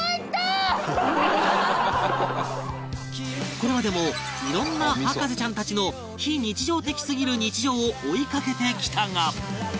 これまでもいろんな博士ちゃんたちの非日常的すぎる日常を追いかけてきたが